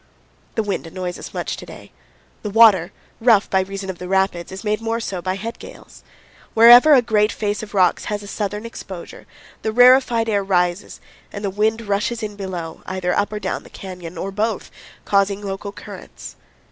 The wind annoys us much to day. The water, rough by reason of the rapids, is made more so by head gales. Wherever a great face of rocks has a southern exposure, the rarefied air rises and the wind rushes in below, either up or down the canyon, or both, causing local currents.